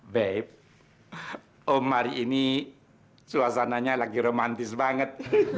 babe om hari ini suasananya lagi romantis banget